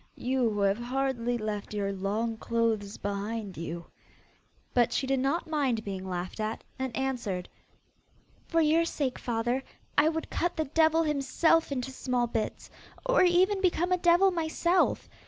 You who have hardly left your long clothes behind you!' but she did not mind being laughed at, and answered, 'For your sake, father, I would cut the devil himself into small bits, or even become a devil myself.